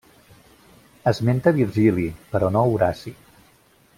Esmenta Virgili, però no Horaci.